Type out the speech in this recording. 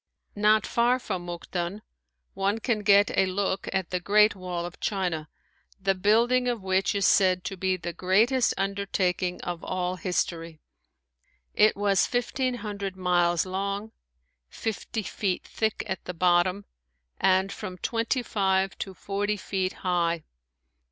Not far from Mukden one can get a look at the great Wall of China, the building of which is said to be the greatest undertaking of all history. It was fifteen hundred miles long, fifty feet thick at the bottom and from twenty five to forty feet high.